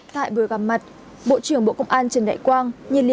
tại buổi gặp mặt bộ trưởng bộ công an trần đại quang